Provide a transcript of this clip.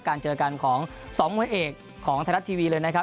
เจอกันของ๒มวยเอกของไทยรัฐทีวีเลยนะครับ